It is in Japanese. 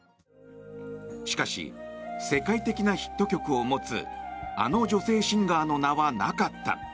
しかし、世界的なヒット曲を持つあの女性シンガーの名はなかった。